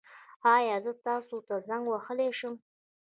ایا زه تاسو ته زنګ وهلی شم؟